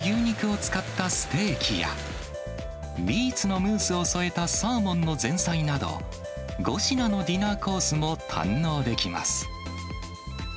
国産の牛肉を使ったステーキや、ビーツのムースを添えたサーモンの前菜など、５品のディナーコースも堪能できます。